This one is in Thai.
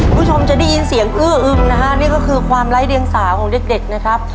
คุณผู้ชมจะได้ยินเสียงอื้ออึมนะฮะนี่ก็คือความไร้เดียงสาวของเด็กเด็กนะครับ